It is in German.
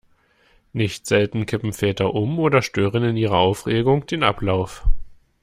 Nicht selten kippen Väter um oder stören in ihrer Aufregung den Ablauf.